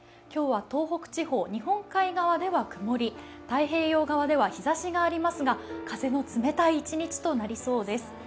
今日は東北地方日本海側ではくもり太平洋側では日ざしがありますが、風の冷たい一日となりそうです。